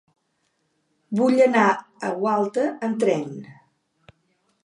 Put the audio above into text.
Vull anar a Gualta amb tren.